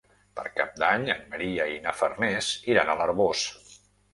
Per Cap d'Any en Maria i na Farners iran a l'Arboç.